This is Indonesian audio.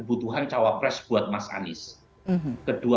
untuk cawapres pak prabowo itu secara elektoral itu bisa berbeda